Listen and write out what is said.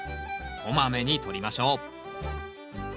こまめに取りましょう。